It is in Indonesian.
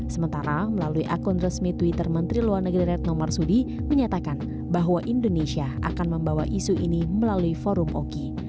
sementara melalui akun resmi twitter menteri luar negeri retno marsudi menyatakan bahwa indonesia akan membawa isu ini melalui forum oki